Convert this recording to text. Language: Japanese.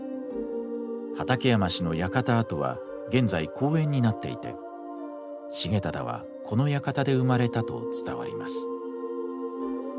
畠山氏の館跡は現在公園になっていて重忠はこの館で生まれたと伝わります。